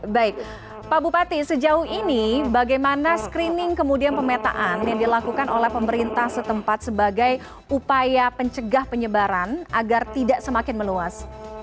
baik pak bupati sejauh ini bagaimana screening kemudian pemetaan yang dilakukan oleh pemerintah setempat sebagai upaya pencegah penyebaran agar tidak semakin meluas